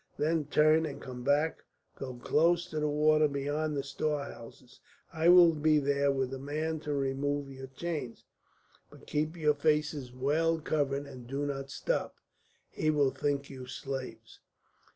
Then turn and come back, go close to the water beyond the storehouses. I will be there with a man to remove your chains. But keep your faces well covered and do not stop. He will think you slaves."